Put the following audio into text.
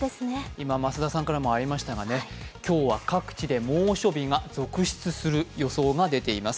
今増田さんからもありましたが今日は各地で猛暑日が続出する予想が出ています。